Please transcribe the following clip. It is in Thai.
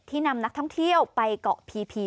นำนักท่องเที่ยวไปเกาะพี